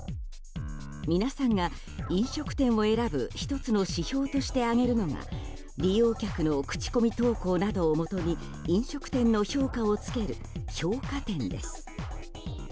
皆さんが飲食店を選ぶ１つの指標として挙げるのが利用客の口コミ投稿などをもとに飲食店の評価をつける評価点です。